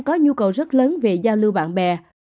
có nhu cầu rất lớn về giao lưu bạn bè